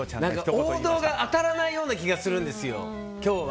王道が当たらないような気がするんですよ、今日は。